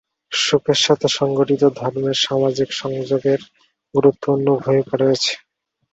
সুখের সাথে সংগঠিত ধর্মের সামাজিক সংযোগের গুরুত্বপূর্ণ ভূমিকা রয়েছে।